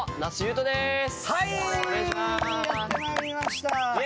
はい、やってまいりました。